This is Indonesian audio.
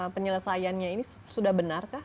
penyelesaiannya ini sudah benarkah